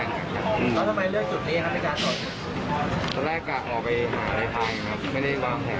ไม่ใช่บาทครับมีบาทเลยอ๋อเราเคยกรอเผ็ดดูอ่ะดูยังไงอ๋อ